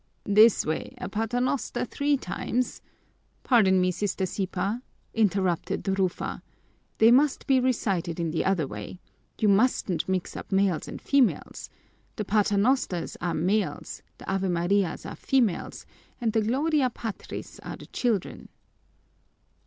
"This way: a paternoster three times " "Pardon me, Sister Sipa," interrupted Rufa, "they must be recited in the other way. You mustn't mix up males and females. The paternosters are males, the Ave Marias are females, and the Gloria Patris are the children."